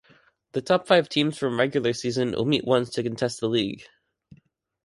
The top five teams from Regular season will meet once to contest the league.